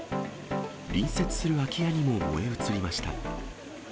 隣接する空き家にも燃え移りました。